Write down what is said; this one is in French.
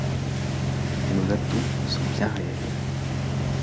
Nos atouts sont bien réels.